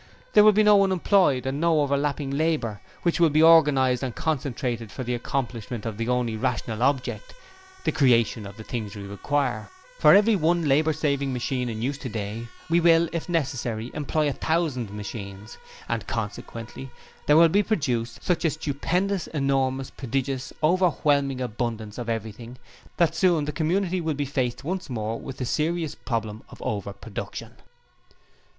There will be no unemployed and no overlapping of labour, which will be organized and concentrated for the accomplishment of the only rational object the creation of the things we require... For every one labour saving machine in use today, we will, if necessary, employ a thousand machines! and consequently there will be produced such a stupendous, enormous, prodigious, overwhelming abundance of everything that soon the Community will be faced once more with the serious problem of OVER PRODUCTION.